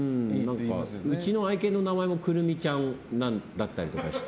うちの愛犬の名前もクルミちゃんだったりして。